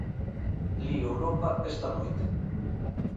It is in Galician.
Liga Europa esta noite.